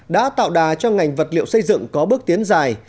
đã tạo đà cho ngành vật liệu xây dựng có bước tiến dài